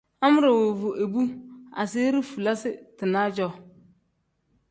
Amedi woovu ibu asiiri fulasi-dinaa-jo.